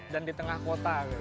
dan di tengah kota gitu